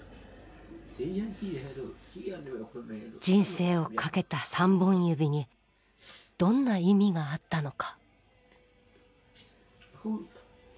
人生を懸けた３本指にどんな意味があったのか。